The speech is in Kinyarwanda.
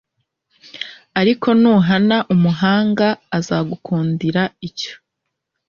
ariko nuhana umuhanga azagukundira icyo